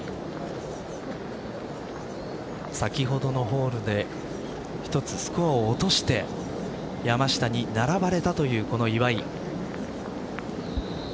先ほどのホールで１つスコアを落として山下に並ばれたという岩井。